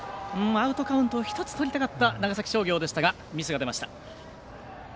アウトカウントを１つとりたかった長崎商業でしたがミスが出ました。